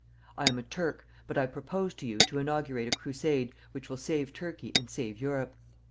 I am a Turk, but I propose to you to inaugurate a crusade which will save Turkey and save Europe.